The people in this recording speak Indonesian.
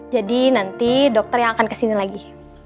jadi nanti dokter yang akan kesini lagi